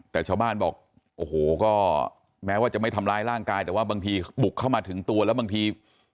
แต่ชาวบ้านบอกโอ้โหก็แม้ว่าจะไม่ทำร้ายร่างกายแต่ว่าบางทีบุกเข้ามาถึงตัวแล้วบางที